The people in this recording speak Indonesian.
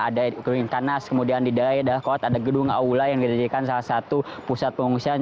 ada di gedung kanas kemudian di daerah dahkot ada gedung aula yang dijadikan salah satu pusat pengungsian